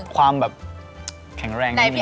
ขวามแบบแข็งแรงนิดนึง